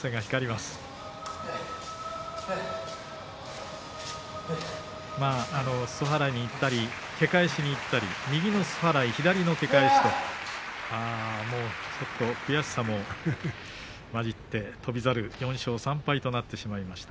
すそ払いにいったり、け返しにいったり、右のすそ払い左のけ返しとちょっと悔しさも混じって翔猿、４勝３敗となってしまいました。